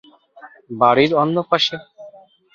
বাড়ির অন্য পাশে।